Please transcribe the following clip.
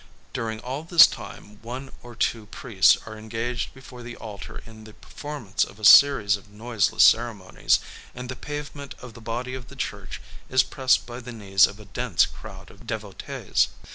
During all this time one or two priests are engaged before the altar in the performance of a series of noiseless ceremonies; and the pavement of the body of the church is pressed by the knees of a dense crowd of devotees.